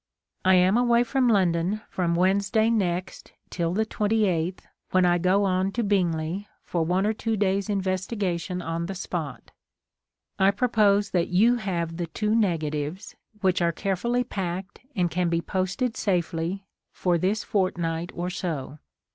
I am away from London from Wednes day next till the 28th when I go on to Bing ley for one or two days' investigation on the spot. I propose that you have the two nega tives, which are carefully packed and can be posted safely, for this fortnight or so.